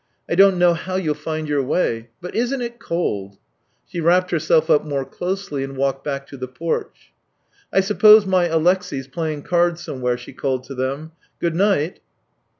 " 1 don't know how you'll find your way. But, isn't it cold ?" She wrapped herself up more closely and walked back to the porch. " I suppose my Alexey's playing cards some where," she called to them. " Good night